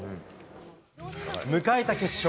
迎えた決勝。